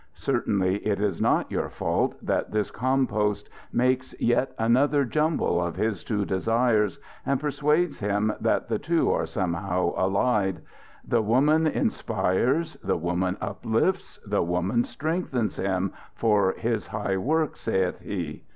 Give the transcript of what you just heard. Certainly it is not your fault that this compost makes yet another jumble of his two desires, and persuades himself that the two are somehow allied. The woman inspires, the woman uplifts, the woman strengthens him for his high work, saith he!